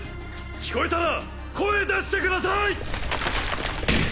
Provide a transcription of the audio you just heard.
聞こえたら声出してくださいッ。